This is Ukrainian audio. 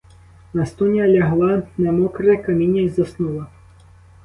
Настуня лягла на мокре каміння й заснула.